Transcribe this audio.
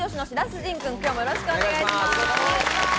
迅君、今日もよろしくお願いします。